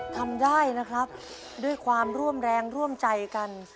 ทำได้นะครับด้วยความร่วมแรงร่วมใจกัน